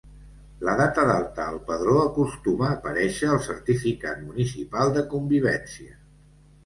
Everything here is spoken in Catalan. La data d'alta al padró acostuma a aparèixer al Certificat Municipal de Convivència.